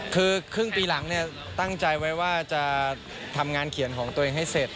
คือครึ่งปีหลังตั้งใจไว้ว่าจะทำงานเขียนของตัวเองให้เสร็จ